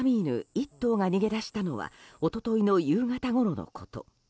１頭が逃げ出したのは一昨日の夕方ごろのこと。